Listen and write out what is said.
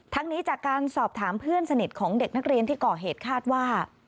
นี้จากการสอบถามเพื่อนสนิทของเด็กนักเรียนที่ก่อเหตุคาดว่า